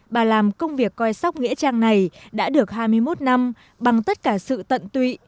bà làm công việc coi sóc nghĩa trang này đã được hai mươi một năm bằng tất cả sự tận tụy